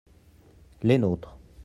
les nôtres.